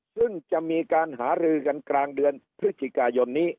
ซึ่งจะมีการหารือกันกลางเดือนพฤศจิกายนนี้